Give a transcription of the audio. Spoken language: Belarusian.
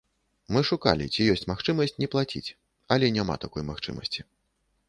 Мы шукалі, ці ёсць магчымасць не плаціць, але няма такой магчымасці.